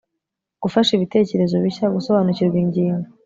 gufasha ibitekerezo bishya gusobanukirwa ingingo